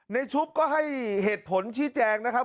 ชุบก็ให้เหตุผลชี้แจงนะครับ